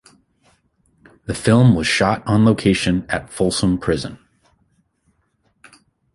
The film was shot on location at Folsom Prison.